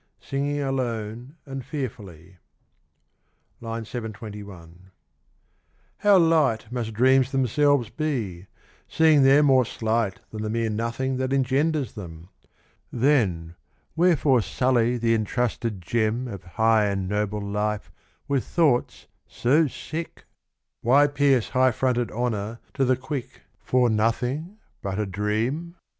Singling alone and fearfully. ... (I. 721) how light Must dreams themselves be; seeing they're more slight Than the mere nothing that engenders them ! Then wherefore sully the entrusted gem Of high and noble life with thoughts so sick? Why pierce high fronted honour to the quick For nothing but a dream?"